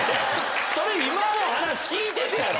それ今の話聞いててやろ？